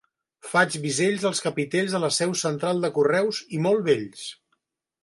Faig bisells als capitells de la seu central de Correus, i molt bells.